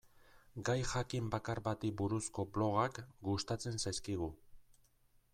Gai jakin bakar bati buruzko blogak gustatzen zaizkigu.